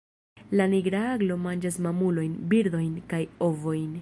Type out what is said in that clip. La Nigra aglo manĝas mamulojn, birdojn kaj ovojn.